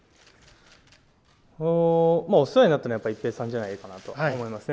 お世話になったのは、やっぱり一平さんじゃないかなと思いますね。